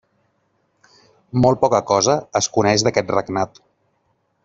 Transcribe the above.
Molt poca cosa es coneix d'aquest regnat.